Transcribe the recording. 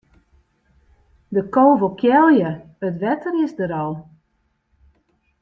De ko wol kealje, it wetter is der al.